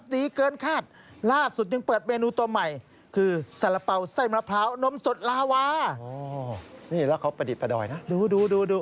นี่แล้วเขาประดิษฐประดอยนะดูดู